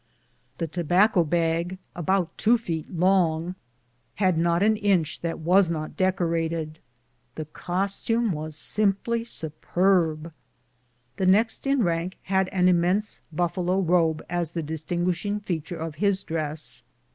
The tobacco bag, about two feet long, had not an inch that was not decorated. The costume was simply superb. The next in rank had an immense buffalo robe as the distinguishing feature of his dress.